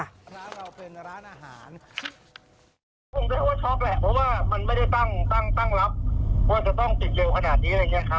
ดังตาไหลไปเลยบ้างพี่